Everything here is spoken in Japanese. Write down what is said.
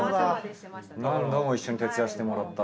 何度も一緒に徹夜してもらった。